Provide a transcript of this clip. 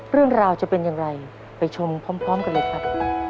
เรื่องราวจะเป็นอย่างไรไปชมพร้อมกันเลยครับ